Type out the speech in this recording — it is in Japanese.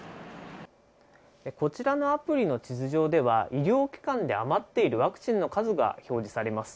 こちらのアプリの地図上では、医療機関で余っているワクチンの数が表示されます。